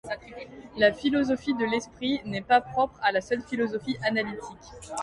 La philosophie de l'Esprit n'est pas propre à la seule philosophie analytique.